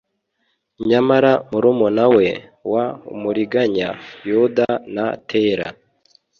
Nyamara murumuna we w umuriganya Yuda na tera